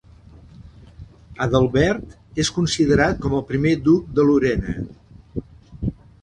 Adalbert és considerat com el primer duc de Lorena.